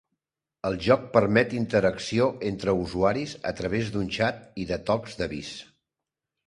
El joc permet interacció entre usuaris a través d'un xat i de tocs d'avís.